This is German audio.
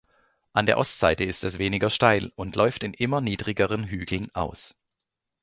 An der Ostseite ist es weniger steil und läuft in immer niedrigeren Hügeln aus.